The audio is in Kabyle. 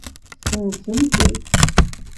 Sensemt-tt.